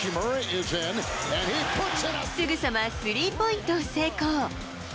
すぐさまスリーポイントを成功。